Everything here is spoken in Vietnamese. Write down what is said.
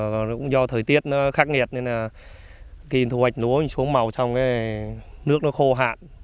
và cũng do thời tiết nó khắc nghiệt nên là khi thu hoạch lúa xuống màu xong cái nước nó khô hạn